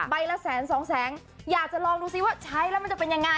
ละแสนสองแสนอยากจะลองดูซิว่าใช้แล้วมันจะเป็นยังไง